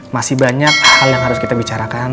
masih banyak hal yang harus kita bicarakan